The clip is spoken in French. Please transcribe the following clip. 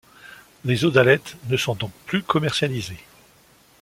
Les Eaux d'Alet ne sont donc plus commercialisées.